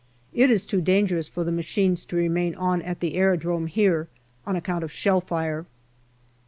It is too dangerous for the machines to remain on at the aerodrome here, on account of shell fire.